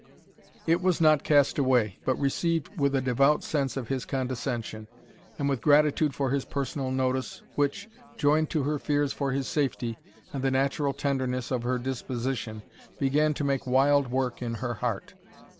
It was not cast away, but received with a devout sense of his condescension, and with gratitude for his personal notice, which, joined to her fears for his safety, and the natural tenderness of her disposition, began to make wild work in her heart.